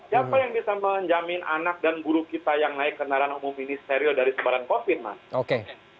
siapa yang bisa menjamin anak dan guru kita yang naik kendaraan umum ini steril dari sebaran covid mas